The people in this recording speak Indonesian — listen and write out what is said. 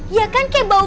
iya kan kayak bau ketat